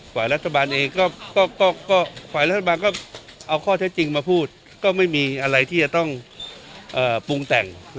ฝ่ายรัฐบาลเอาข้อเท็จจริงมาพูดก็ไม่มีอะไรที่จะต้องปรุงแต่ง